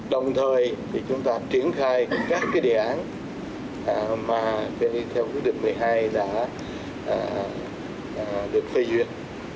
đồng thời thì chúng ta triển khai các cái đề án mà theo quyết định một mươi hai đã được phê duyệt